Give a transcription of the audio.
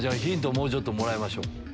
もうちょっともらいましょう。